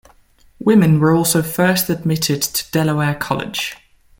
Women were also first admitted to Delaware College.